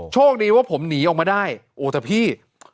โชคดีว่าผมหนีออกมาได้โอ้แต่พี่